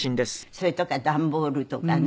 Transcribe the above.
それとか段ボールとかね。